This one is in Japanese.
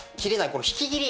この引き切り。